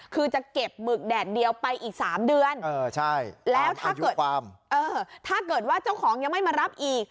คือจะเก็บหมึกแดดเดียวไปอีก๓เดือนแล้วถ้าเกิดถ้าเกิดว่าเจ้าของยังไม่มารับอีก